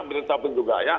berita penyuga ya